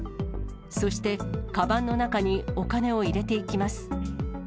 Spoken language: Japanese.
そして、かばんの中にお金を入れていきます。